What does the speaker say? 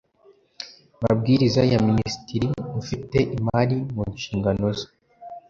mabwiriza ya minisitiri ufite imari mu nshingano ze